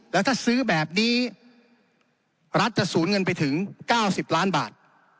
แล้วถ้าซื้อแบบนี้รัฐจะสูญเงินไปถึง๙๐ล้านบาท